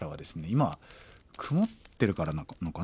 今曇ってるからなのかな